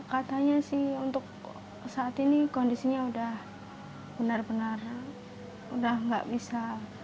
katanya sih untuk saat ini kondisinya udah benar benar udah nggak bisa